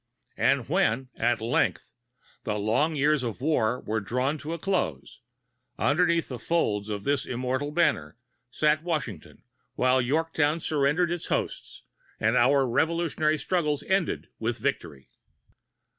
And when, at length, the long years of war were drawing to a close, underneath the folds of this immortal banner sat Washington while Yorktown surrendered its hosts and our Revolutionary struggles ended with victory.